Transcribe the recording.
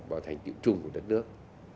vào thành tiệu trung của đất nước